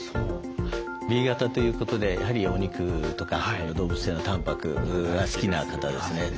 Ｂ型ということでやはりお肉とか動物性のたんぱくが好きな方ですね。